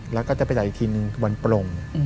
แล้วก็จะไปจ่ายอีกทีนึงวันปลง